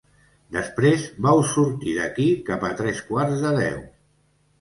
Després vau sortir d'aquí cap a tres quarts de deu.